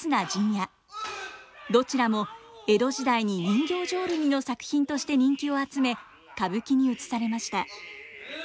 どちらも江戸時代に人形浄瑠璃の作品として人気を集め歌舞伎にうつされました。